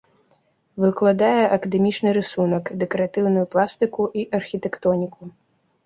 Выкладае акадэмічны рысунак, дэкаратыўную пластыку і архітэктоніку.